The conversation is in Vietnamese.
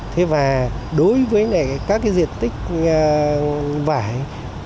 thế và đối với các cái diện tích vải